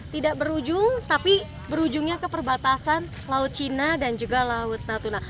tidak berujung tapi berujungnya ke perbatasan laut cina dan juga laut natuna